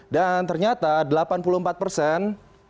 dan ternyata delapan tahun